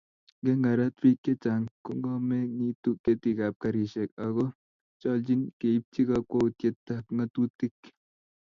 Ngegarat bik chechang kongomengitu ketikab garisiek ako cholchin keibchi kakwautietab ngatutik